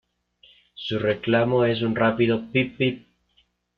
Su reclamo es un rápido pip-pip.